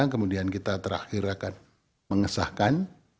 kemudian kita terakhir akan mengesahkan